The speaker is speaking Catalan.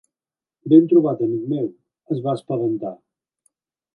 "Ben trobat, amic meu!" Es va espaventar.